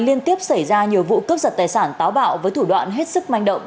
liên tiếp xảy ra nhiều vụ cướp giật tài sản táo bạo với thủ đoạn hết sức manh động